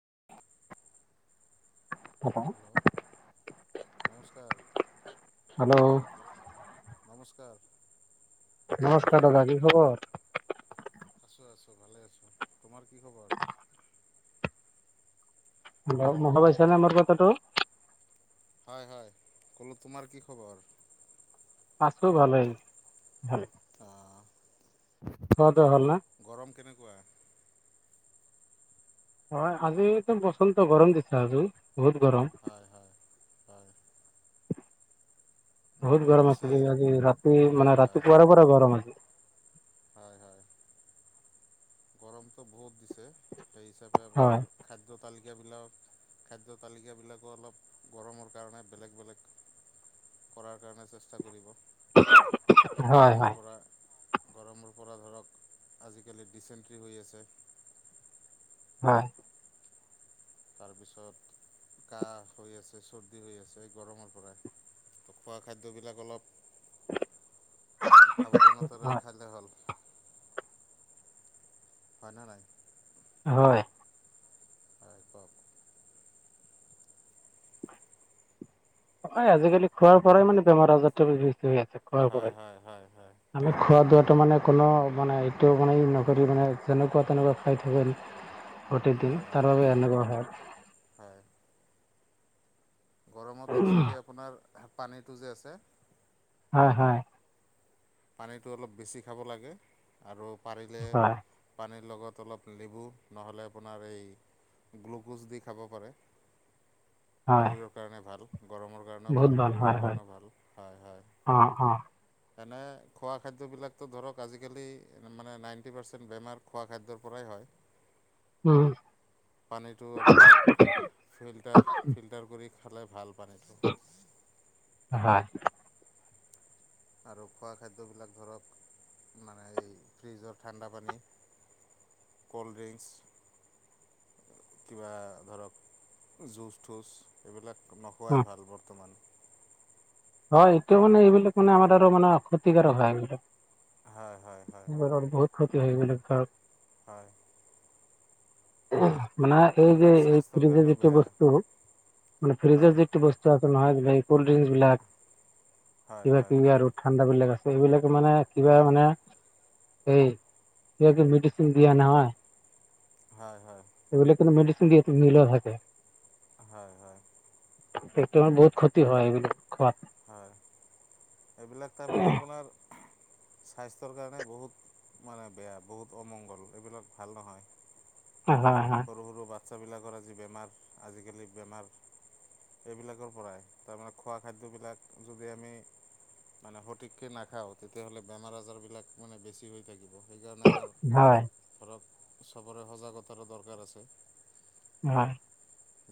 [inaudible] [inaudible] Hello নমস্কাৰ hello. নমস্কাৰ। নমস্কাৰ দাদা। কি খবৰ? আছো আছো ভালে আছো। তোমাৰ কি খবৰ।? হেল্ল [unintelligible] নে আমাৰ কথাটো। হয় হয় কলো তোমাৰ কি খবৰ? আছো ভালেই ভাল। আহ দোৱা হ'ল না গৰম কেনেকোৱা? হয় আজি তো বচন্ত গৰম দিছো আজি বহুত গৰম। হয় হয় হয় বহুত গৰম আছিলে আজি ৰাতি মানে হয় ৰাতি হয় পোৱাৰে পৰা গৰম আজি। হয় হয়। গৰমতটো বহুত দিছে সেই হিচাপে হয় আপোনাৰ খাদ্য তালি। এইবিলাক খাদ্য তালিকাবিলাকো অলপ গৰমৰ কাৰণে বেলেগ বেলেগ। কৰাৰ কাৰণে চেষ্টা কৰিব। হয় গৰমৰ হয় পৰা গৰমৰ পৰা ধৰক আজিকালি। ৰিচেণ্ট্ৰি হৈ আছে। হয়। তাৰপিছত কাহ হৈ আছে চৰ্দি হৈ আছে এই গৰমৰ পৰা। ত খোৱা খাদ্যবিলাক অলপ। সাৱধানতাৰে হয় খালে হ'ল। হয় না নাই? হয়। আহ কক। হয় আজিকালি খোৱাৰ পৰাই মানে বেমাৰ আজাৰটো বৃষ্টি হৈ আছে খোৱাৰ হয় পৰাই হয় হয় হয় আমি। হয় খোৱা দোৱাটো মানে কোনো মানে এইটো মানে ই নকৰি মানে যেনেকুৱা তেনেকুৱা খাই থাকে। গোটেই দিন হয় তাৰ হয় বাবে এনেকুৱা হয়। হয়। গৰমত একচুৱেলি আপোনাৰ পানীটো যে আছে। হয় হয়। পানীটো অলপ বেছি খাব লাগে, আৰু পাৰিলে হয় পানী লগত অলপ লেবু নহ'লে আপোনাৰ এই গ্লুক'জ দি খাব পাৰে। হয় হয় শৰীৰৰ কাৰণে ভাল। গৰমৰ কাৰণেও বহুত ভাল, শৰীৰৰ হয় হয় কাৰণেও ভাল, হয় হয়। অ অ এনে খোৱা খাদ্যবিলাকতো ধৰক আজিকালি মানে নাইণ্টি পাৰ্চেণ্ট বেমাৰ খোৱা খাদ্যৰ পৰাই হয়। উম পানীটো আপোনাৰ ফিল্টাৰ ফিল্টাৰ কৰি খালে ভাল মানে। হয়। আৰু খোৱা খাদ্যবিলাক ধৰক মানে এই ফ্ৰ্ৰীজৰ ঠাণ্ডা পানী। কল্ ড্ৰিংকস কিবা ধৰক জুচ তুচ এইবিলাক। অ নোখোৱাই ভাল বৰ্তমান। হয় সেইটোও মানে এইবিলাক মানে আমাৰ আৰু মানে ক্ষতিকাৰক হয় এইবিলাক। হয় হয় হয়। এতিয়া সেইবিলাক ধৰক হয়। [unintelligible] মানে এই যে এইবিলাক এই স্বাস্থ্যৰ ফ্ৰিজৰ কাৰণেও যিটো বেয়া বস্তু, মানে ফ্ৰিজৰ হয় যিটো বস্তু আছে নহয় নেইলপলিচ বিলাক হয় কিবা হয় কিবি আৰু ঠাণ্ডা বিলাক আছে, এইবিলাক মানে কিবা হয় মানে এই সিহঁতি মেডিচিন দিয়া নহয় হয়, হয়। সেইবালাকত মেডিচিন দিয়া, মিলোৱা থাকে [unintelligible] হয়, হয়। তোমাৰ বহুত ক্ষতি হয় এইবিলাক খোৱাত। হয়, এইবিলাক তাৰমানে আপোনাৰ স্বাস্থ্যৰ কাৰণে বহুত মানে বেয়া বহুত অমংগল এইবিলাক ভাল নহয়। হয় হয়। বাচ্ছা বিলাকৰ আজি বেমাৰ আজিকালি বেমাৰ এইবিলাকৰ পৰাই, তাৰমানে খোৱা খাদ্যবিলাক যোগে আমি মানে সঠিককে নাখাও, তেতিয়াহ'লে বেমাৰ আজাৰ বিলাক মানে বেছি হৈ থাকিব। সেইকাৰণে আমাৰ হয় ঘৰত চবৰে সজাগতাৰো দৰকাৰ আছে। হয়।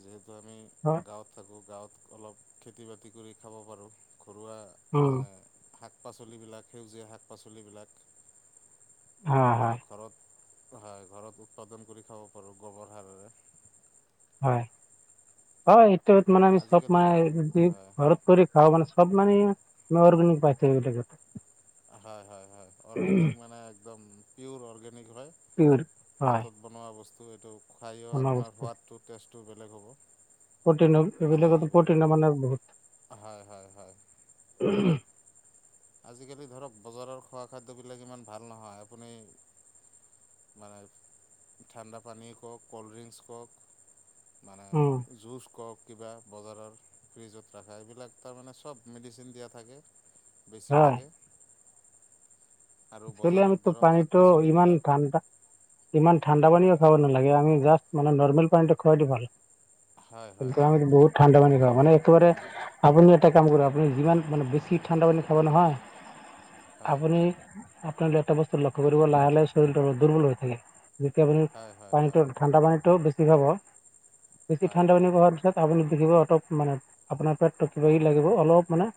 যিহেতু আমি হয় গাঁৱত থাকো, গাঁৱত অলপ খেতি বাতি কৰি খাব পাৰো। ঘৰুৱা উম মানে শাক পাচলিবিলাক সেউজীয়া শাক পাচলিবিলাক। হয় মানে হয় ঘৰত হয়, ঘৰত উৎপাদন কৰি খাব পাৰোঁ গোবৰ সাৰেৰে। হয়, হয়, এইটোত মানে আমি চব আজিকালি মানে হয় ঘৰত কৰি খাওঁ মানে চব মানে অৰ্গেনিক পাইছে সেইবিলাকতে। হয়, হয়, হয়, অৰ্গেনিক মানে একদম পিয়ৰ অৰ্গে নিক হয়, পিয়ৰ হয় হাতত বনোৱা বস্তু এইটো খায়ো বনোৱা আপোনাৰ বস্তু সোৱাদটো টেচ টো বেলেগ হ'ব। প্ৰটিন ভাল এইবিলাকতো লাগিব প্ৰটিনৰে মানে বহুত হয় হয় হয় আজিকালি ধৰক বজাৰৰ খোৱা খাদ্যবিলাক ইমান ভাল নহয়। আপুনি মানে ঠাণ্ডা পানীয হওঁক, ক'ল্ড ড্ৰিংকস হওঁক মানে উম জুচ কওক, কিবা বজাৰৰ, ফ্ৰিজত ৰাখা, এইবিলাক তাৰ মানে চব মেডিচিন দিয়া থাকে। হয় বেছিভাগে আৰু একচলি বজাৰৰ আমিতো ধৰক শাক পানীটো ইমান পাচলিবিলাক ঠাণ্ডা ইমান ঠাণ্ডা পানীও হয় খাব নালাগে, আমি জাষ্ট মানে নৰ্মেল পানীটো খোৱাটোৱে ভাল। হয় হয় কিন্তু হয় আমিটো বহুত ঠাণ্ডা পানী খাওঁ, মানে একেবাৰে হয় আপুনি এটা কাম কৰা আপুনি যিমান মানে বেছি ঠাণ্ডা পানী খাব নহয়, হয় আপুনি আপোনাৰ এটা বস্তু লক্ষ্য কৰিব লাহে-লাহে শৰীৰটোৰ দুৰ্বল হৈ থাকে। যেতিয়া আপুনি হয় হয় হয় পানীতো ঠাণ্ডা পানীতটো বেছি খাব, হয় বেছি হয় ঠাণ্ডা পানী খোৱাৰ পিছত আপুনি দেখিব অতপ মানে আপোনাৰ পেটটো কিবা-কিবি লাগিব অলপ মানে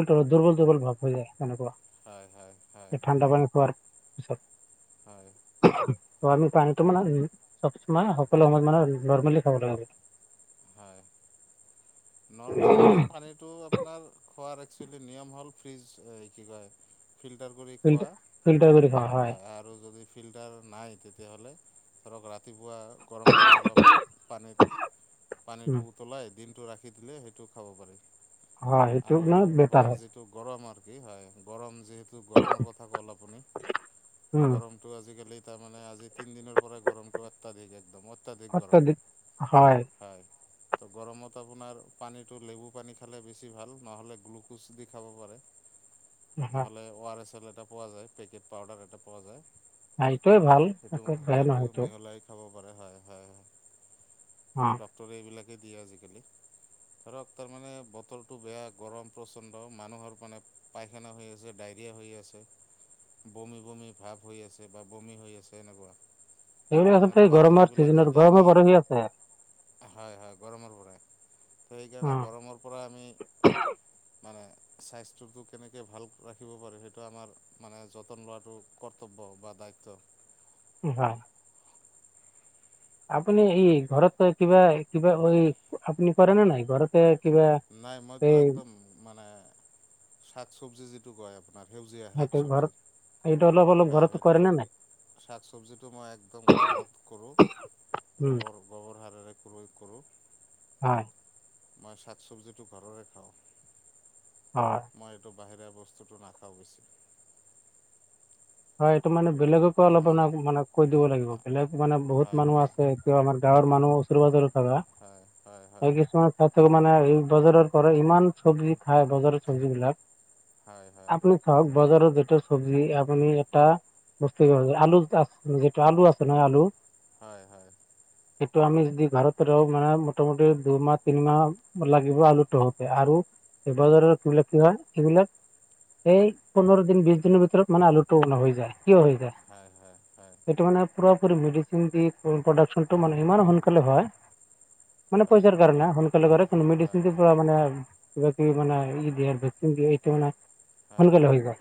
দুৰ্বল-দুৰ্বল ভাব হৈ যায় তেনেকুৱা। হয়, হয়, হয়। ঠাণ্ডা পানী খোৱাৰ পিছত। হয়। ত' আমি পানীটো মানে, মানে সকলো সময়ত মানে নৰ্মেলি খাব লাগে। হয়, নৰ্মেল মানে পানীটো আপোনাৰ খোৱাৰ একচোৱেলি নিয়ম হ'ল, ফ্ৰিজ এ কি কয় ফিল্টাৰ কৰি খোৱা, ফিল্টা ফিল্টাৰ কৰি খোৱা হয় আ-আৰু যদি ফিল্টাৰ নাই, তেতিয়াহ'লে ধৰক ৰাতিপুৱা গৰম পানী অলপ পানীত পানীটো উম উতলাই, দিনতটো ৰাখি দিলে সেইটো খাব পাৰি। হয় সেইটো আৰু মানে বেটাৰ আপোনাৰ হয় যিটো গৰম আৰু কি হয় গৰম যি গৰমৰ কথা ক'ল আপুনি, উম গৰমটো আজি কালি তাৰমানে আজি তিন দিনৰ পৰা গৰমটো অত্যাধিক একদম, অত্যাধিক গৰম। হয় [unintelligible] গৰমত আপোনাৰ পানীটো নেমু পানী খালে বেছি ভাল নহ'লে গোলোকজ দি খাব পাৰে হয় নহলে অ আৰ এছ এল এটা পোৱা যায় পেকেট পাউডাৰ এটা পোৱা যায়। এইটোৱেই ভাল সেইটো একো বেয়া সেইটো নহয়টো মিহলাই খাব হয় হয় অ ডক্তৰে এইবিলাকে দিয়ে আজিকালি। ধৰক তাৰ মানে বতৰটো বেয়া গৰম প্ৰচণ্ড মানুহৰ মানে পায়খানা হৈ আছে ডায়ৰ হৈ আছে বমি বমি ভাৱ হৈ আছে বা বমি হৈ আছে এনেকুৱা সেইবিলাক তেনে আচলতে খোৱা গৰমৰ খাদ্যবিলাক চিজননৰ যদি গৰমে আমি গৰমি আছে। হয়, হয়, গৰমৰ পৰা। ত' সেইকাৰণে উম, গৰমৰ পৰা আমি মানে স্বাস্থ্যটো কেনেকে ভাল ৰাখিব পাৰে, সেইটো আমাৰ মানে যতন লোৱাটো কৰ্তব্য বা দায়ি ত [unintelligible] উ', হা আপুনি ই ঘৰত কিবা, কিবা আপুনি কৰে নে নাই ঘৰতে কিবা নাই মইতো এই একদম মানে, শাক-চব্জি যিটো কয় আপোনাৰ সেউজীয়া সেইটো শাক-চব্জি ঘৰত এইটো অলপ অলপ হয় ঘৰত সেইটো, কৰে নে নাই? শাক চবজিটো মই একদম ঘৰত কৰো। উম, গোবৰ গোবৰ হাৰৰে প্ৰযোগ কৰোঁ। হয়, মই শাক চব্জিটো ঘৰৰে খাওঁ হয় বাহিৰে বস্তুটো নাখাওঁ বেছি হয় এইটো মানে বেলেগকো তাৰমানে অলপাক মানে কৈ দিব লাগিব বেলেগ মানে বহুত হয় মানুহ হয় আছে এতিয়াও আমাৰ গাঁৱৰ মানুহ উচৰে পাজৰে থকা হয় হয় হয় কিছুমান তাতে মানে এই বজাৰৰ পৰা ইমান চব্জি খাই বজাৰৰ চব্জি বিলাক হয় হয় আপুনি চাওক বজাৰত যিটো চব্জি আপুনি বুজ আলু আ যেটো আলু আছে নহ আলু হয় হয় এইটো আমি যদি ঘৰত ৰো মানে মোটামোট দুই মাহ তিনি মাহ লাগিব আলুটোহতে আৰু এই বজাৰৰ বিলাক কি হয় এইবিলাক এই পোন্ধৰ দিন বিশ দিনৰ ভিতৰত মানে আলু উৎপন্ন হৈ যায় কিয় হৈ যায় হয় হয় হয় সেইটো মানে পুৰা পুৰি মেডিচিন দি প্ৰডাকশ্যনটো হয় মানে ইমান সোনকালে হয়, মানে হয় পইচাৰ কাৰণে [unintelligible] হয় হয় সোনকালে হৈ যায়।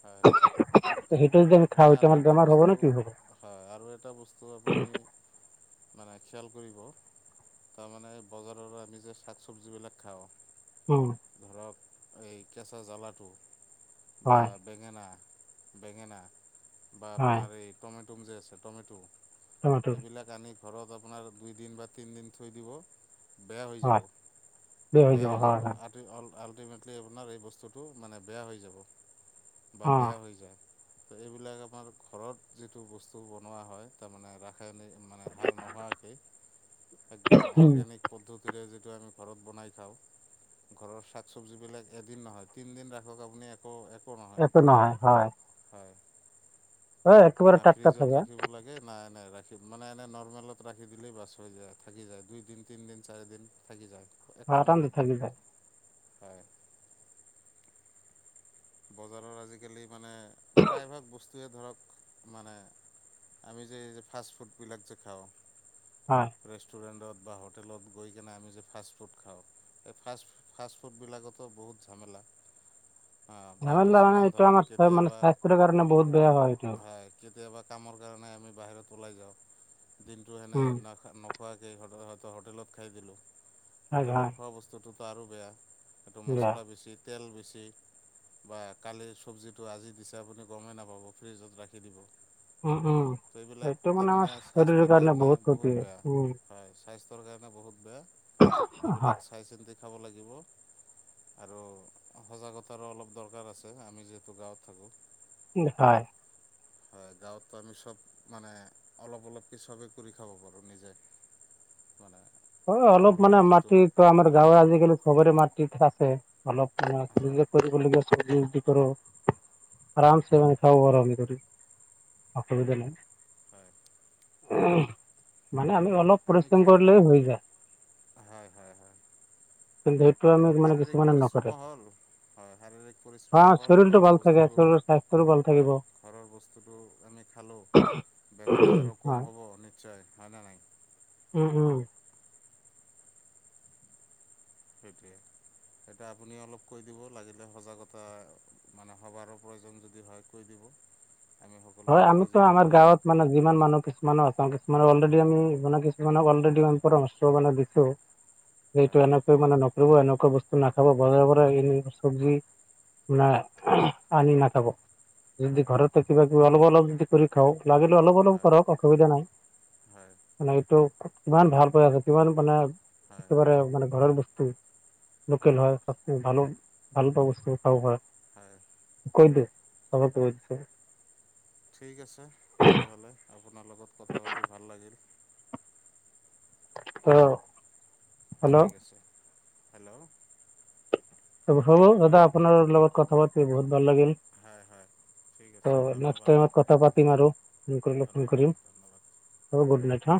হয় সেই আপুনি আৰু এটা বস্তু হয় আৰু এটা বস্তু আপুনি মানে খিয়াল কৰিব তাৰমানে বজাৰৰ আমি যে শাক চবজী বিলাক খাওঁ, উম ধৰক এই কেঁচা জ্বালাটো বা হয় বেঙেনা বেঙেনা বা হয় আপোনাৰ এই টমেটম যে আছে টমেটো টমেটো এইবিলাক আনি ঘৰত আপোনাৰ দুইদিন বা তিনিদিন থৈ দিব বেয়া হৈ যাব হয় বেয়া হৈ যাব আ অল আল্টিমেটলি আপোনাৰ এই বস্তুটো মানে বেয়া হৈ যাব বা বেয়া হৈ যায় এইবিলাক আমাৰ ঘৰত যিটো বস্তু বনোৱা হয় তাৰমানে ৰা মানে সাৰ নোহোৱাকে একদম অৰ্গেনিক পদ্ধতিৰে যে, সেইটো আমি ঘৰত বনাই খাওঁ। ঘৰৰ শাক চবজী বিলাক এদিন নহয় তিন দিন ৰাখক আপুনি একো এইটো নহয় হয় হয় হ্যাঁ একেবাৰে না টাটকা ফ্ৰিজত থাকে ৰাখিব লাগে না মানে ৰাখি মানে এনেই নৰ্মেলত ৰাখি দিলেই বাছ হৈ যায় থাকি যায় দুইদিন তিনিদিন চাৰিদিন থাকি যায়। একো আৰাম দি নহয় থাকি যায়। হয়। বজাৰত আজিকালি মানে প্ৰায় ভাগ বস্ত- টোৱে ধৰক মানে আমি যে এই যে ফাষ্ট ফুডবিলাক যে খাওঁ। হয় ৰেষ্টুৰেণ্টত। বা হোটেলত গৈ কিনে আমি যে ফাষ্ট ফুড খাওঁ সেই ফাষ্ট ফাষ্ট ফুডবিলাকতো বহুত ঝামেলা। [inaudible] [unintelligible] মানে কিছুমান এইটো ধৰক চব মানে কেতিয়াবা স্বাস্থ্যৰ কাৰণে বহুত বেয়া হয় এইটো কামৰ কাৰণে আমি বাহিৰত ওলাই যাওঁ দিনটো এনেই উম নাকে মুখ খোৱাকেই হয়ত হোটেলত খাই দিলোঁ হয় হোটেলৰ হয় খোৱা বস্তুটোতো আৰু বেয়া এইটো বেয়া মছলা বেছি তেল বেছি। কালি চজ্বিটো আজি দিছে আপুনি গমে নাপাব ফ্ৰিজত ৰাখি দিব উম উম তো এইবিলাক সেইটো মানে তাৰমানে আমাৰ শৰীৰৰ স্বাস্থ্যৰ কাৰণে বহুত ক্ষতি হয়। উম পেটৰ কাৰণে বহুত বেয়া হয় সেইবিলাক চাই চিন্তি খাব লাগিব আৰু সজাগতা তাৰো অলপ দৰকাৰ আছে আমি যিহেতু গাঁৱত থাকো। হয়। হয় গাঁৱতো আমি সব মানে অলপ অলপক চবে কৰি খাব পাৰো নিজে। [inaudible] অ অলপ মানে ঘৰুৱা যিটো মাটিত তা আমাৰ হয় গাঁৱে আজিকালি চবৰে মাটি থাচ। অলপ হয় মানে কৰিবলগীয়া চব্জি চজ্বি কৰো। আৰাম চে আমি খাই হয় [unintelligible] অসুবিধা নাই। হয় মানে আমি অলপ আমি পৰিশ্ৰম কৰিলে হৈ যায়। হয় হয় হয়। কিন্তু সেইটো আমি অলপ মানে কিছু শাৰীৰিক মানে নকৰে। পৰিশ্ৰমো হ'ল হয় শাৰীৰিক অ পৰিশ্ৰমো হ'ল শৰীৰটো ঘৰৰ ভাল থাকে বস্তুটো শৰীৰৰ স্বাস্থ্যৰো ভাল থাকিব হয় ঘৰৰ বস্তুতটো আমি। খালো বেমাৰ আজাৰো কম হয়, হব নিশ্চয় হয় নে নহয়। উম উম। সেইটোৱে। তাকে আপুনি অলপ কৈ দিব লাগিলে সজাগতা মানে সবাৰো প্ৰয়োজন যদি হয় কৈ দিব। অ। হয় আমিতো আমাৰ গাঁৱত মানে যিমান মানুহ পিছ। মান আচান কিছুমানে অলৰেড আমি মানে কিছুমানক অলৰেড আমি পৰামৰ্শ মানে দিছো। সেইটো হয়, এনেকৈ মানে নকৰিব এনেকুৱা বস্তু নাখাবা বজাৰৰ পৰা হয়, এনে চব্জি। মানে আনি নাখাব যদি হয়, ঘৰতে কিবা। অলপ অলপ যদি কৰি খাওক লাগিলে অলপ অলপ হয়, কৰক অসুবিধা নাই। হয়, মানে এইটো কিমান ভাল প্ৰয়াস আছে কিমান মানে। হয়, একেবাৰে মানে ঘৰৰ বস্তু। লোকেল হয় সব ভাল ভাল বস্তু খাব পৰা। হয়। কৈদে চব কৰি দিছে ঠিক আছে তেতিয়াহ'লে আপোনাৰ লগত কথা পাতি ভাল লাগিল। অহ ঠিক আছে। হেল্ল'। ত হ'ব দাদা আপোনাৰ লগত কথা পাতি বহুত ভাল লাগিল। হয় হয়। ঠিক ত আছে নেক্স ধন্যবাদ, টাইমত কথা পাতিম আৰু ফোন কৰিলে ফোন ধন্যবাদ, কৰিম। ধন্যবাদ। অ গুড নাইট হা।